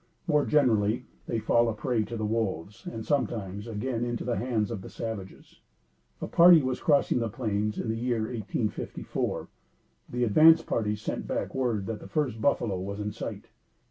More generally, they fall a prey to the wolves, and sometimes, again into the hands of the savages. A party was crossing the plains in the year 1854; the advance of the party sent back word that the first buffalo was in sight.